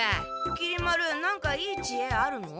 きり丸なんかいい知恵あるの？